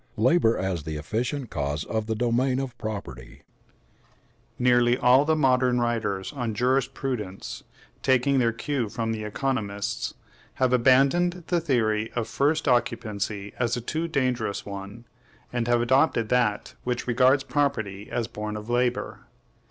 LABOR AS THE EFFICIENT CAUSE OF THE DOMAIN OF PROPERTY. Nearly all the modern writers on jurisprudence, taking their cue from the economists, have abandoned the theory of first occupancy as a too dangerous one, and have adopted that which regards property as born of labor.